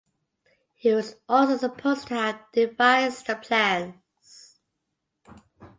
He was also supposed to have devised the plans.